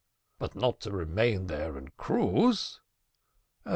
"But not to remain there and cruise?"